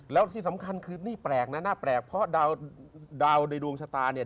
แล้วที่สำคัญคือนี่แปลกนะน่าแปลกเพราะดาวในดวงชะตาเนี่ย